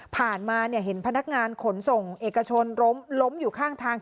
ผ่านมาเห็นพนักงานขนส่งเอกชนล้มอยู่ข้างทาง